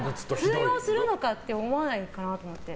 通用するのかって思わないかなと思って。